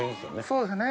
そうですね。